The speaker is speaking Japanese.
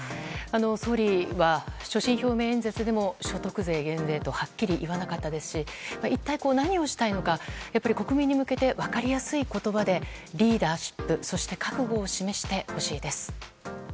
総理は所信表明演説でも所得税減税とはっきり言わなかったですし一体何をしたいのかやっぱり国民に向けて分かりやすい言葉でリーダーシップ、覚悟を示してほしいです。